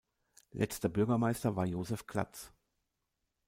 Letzter Bürgermeister war Josef Glatz.